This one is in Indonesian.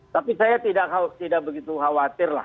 tapi saya tidak begitu khawatir lah